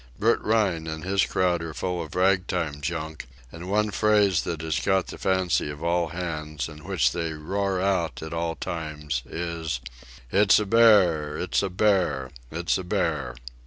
Bert Rhine and his crowd are full of rag time junk, and one phrase that has caught the fancy of all hands, and which they roar out at all times, is: "It's a bear! It's a bear! It's a bear!"